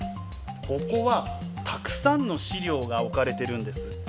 ここはたくさんの資料がおかれてるんです。